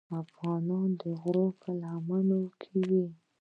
افغانان د غرونو په لمنو کې وو.